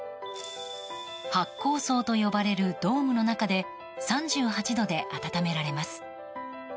発酵槽と呼ばれるドームの中で３８度で温められます。